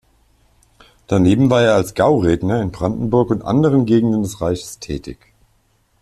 Daneben war er als Gauredner in Brandenburg und anderen Gegenden des Reiches tätig.